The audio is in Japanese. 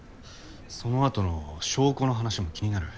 その後の証拠の話も気になる。